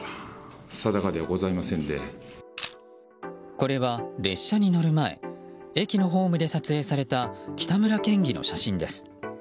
これは列車に乗る前駅のホームで撮影された北村県議の写真です。